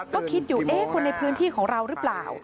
ก็คิดอยู่เอ๊ะคนในพื้นที่ของเราหรือเปล่า